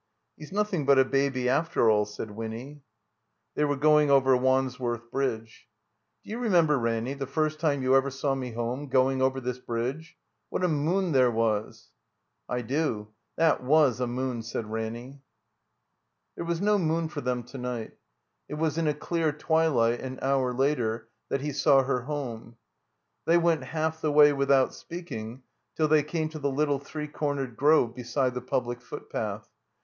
"He's nothing but a baby after all," said Winny. They were going over Wandsworth Bridge. 322 THE COMBINED MAZE "Do you remember, Ramiy, the first time you ever saw me home, going over this bridge ? What a moon there was!'* ''I do. That was a moon/' said Ranny. There was no moon for them to night. It was in a clear twilight, an hour later, that he saw her home. They went half the way without speaking, till they came to the little three cornered grove beside the public footpath.